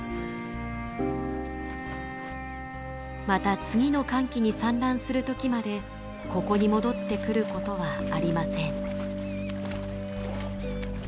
また次の乾季に産卵する時までここに戻ってくることはありません。